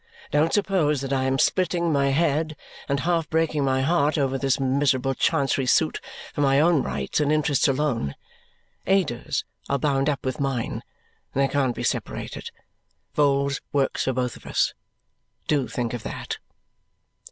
Don't suppose that I am splitting my head and half breaking my heart over this miserable Chancery suit for my own rights and interests alone. Ada's are bound up with mine; they can't be separated; Vholes works for both of us. Do think of that!"